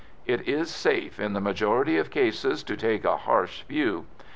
It is safe, in the majority of cases, to take a harsh view.